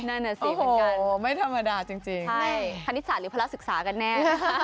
นั่นน่ะสิเหมือนกันไม่ธรรมดาจริงใช่คณิตศาสตร์หรือภาระศึกษากันแน่